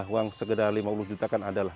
uang segeda lima puluh juta kan ada lah